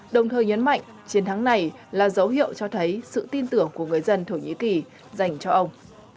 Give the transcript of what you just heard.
đồng thời nhấn mạnh chiến thắng này là dấu hiệu cho thấy sự tin tưởng của người dân thổ nhĩ kỳ dành cho ông